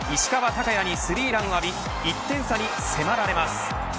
昂弥にスリーランを浴び１点差に迫られます。